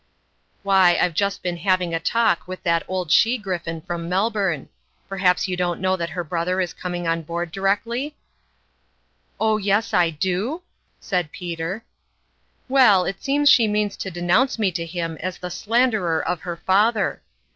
" Why, I've just been having a talk with that old she griffin from Melbourne. Perhaps you don't know that her brother is coming on board directly ?"" O yes, I do f " said Peter. " Well, it seems she means to denounce me to him as the slanderer of her father.